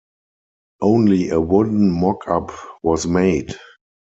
Only a wooden mock-up was made.